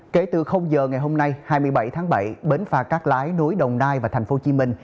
kể từ giờ ngày hôm nay hai mươi bảy tháng bảy bến phà cắt lái nối đồng nai và thành phố hồ chí minh